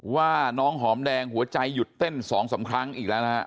ว่าน้องหอมแดงหัวใจหยุดเต้น๒๓ครั้งอีกแล้วนะฮะ